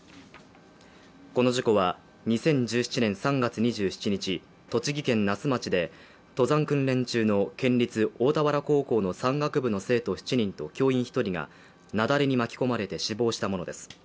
この事故は２０１７年３月２７日、栃木県那須町で登山訓練中の県立大田原高校の山岳部の生徒７人と教員１人が、雪崩に巻き込まれて死亡したものです。